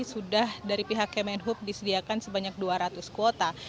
sudah dari pihak kemenhub disediakan sebanyak dua ratus kuota